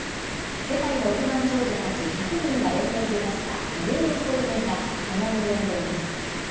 世界の億万長者たち１００人が連名で出した異例の声明が波紋を呼んでいます。